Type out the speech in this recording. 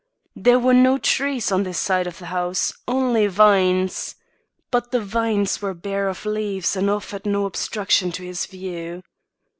There were no trees on this side of the house only vines. But the vines were bare of leaves and offered no obstruction to his view.